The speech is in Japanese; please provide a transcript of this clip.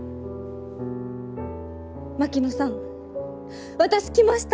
槙野さん私来ました！